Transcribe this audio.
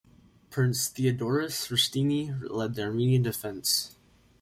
Prince Theodoros Rshtuni led the Armenian defense.